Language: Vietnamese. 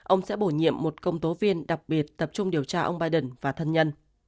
ông sẽ bổ nhiệm một công tố viên đặc biệt tập trung điều tra ông biden và thân nhân